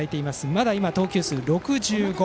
まだ投球数は６５。